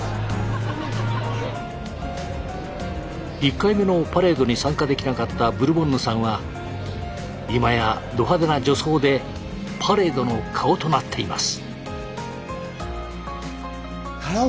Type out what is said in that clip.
１回目のパレードに参加できなかったブルボンヌさんは今やど派手な女装でパレードの顔となっています。